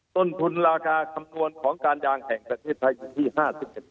ต้นทุนราคาคำนวณของการยางแห่งประเทศไทยอยู่ที่๕๗